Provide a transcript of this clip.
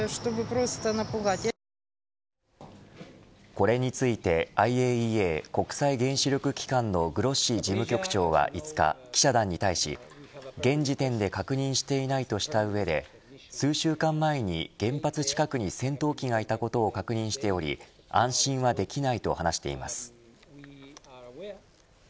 これについてＩＡＥＡ国際原子力機関のグロッシ事務局長は５日記者団に対し、現時点で確認していないとした上で数週間前に原発近くに戦闘機がいたことを確認しており安心はできないと話しています。